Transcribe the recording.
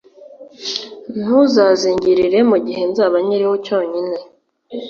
ntuzazingirire mu gihe nzaba nkiriho cyonyine